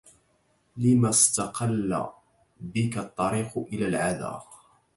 لما استقل بك الطريق إلى العدا